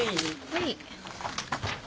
はい。